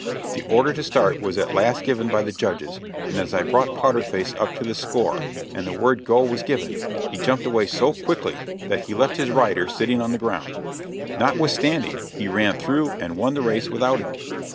The order to start was at last given by the judges, and as I brought Powder Face up to the score and the word "go" was given, he jumped away so quickly that he left his rider sitting on the ground; notwithstanding he ran through and won the race without him.